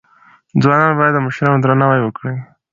ځوانان باید د مشرانو درناوی وکړي.